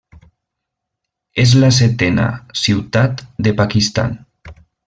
És la setena ciutat de Pakistan.